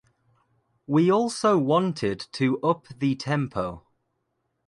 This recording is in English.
We also wanted to up the tempo.